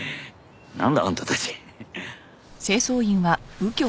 なんだ？あんたたち。